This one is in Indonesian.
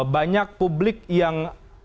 banyak publik yang